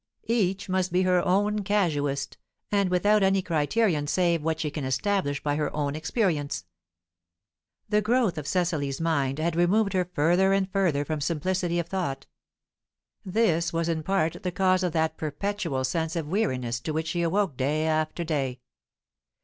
Each must be her own casuist, and without any criterion save what she can establish by her own experience. The growth of Cecily's mind had removed her further and further from simplicity of thought; this was in part the cause of that perpetual sense of weariness to which she awoke day after day.